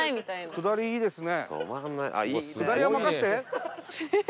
下りいいですね。